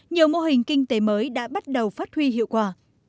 nhiều mô hình kinh tế mới đã bắt đầu phát huy hiệu quả